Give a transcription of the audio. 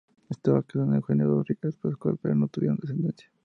Estuvo casada con Eugenio Rodríguez Pascual, pero no tuvieron descendencia.